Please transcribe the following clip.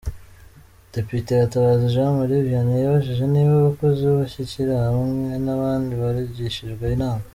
Depite Gatabazi Jean Marie Vianney yibajije niba abakozi, amashyirahamwe, n’abandi baragishijwe inama.